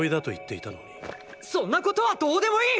そんなことはどうでもいい！！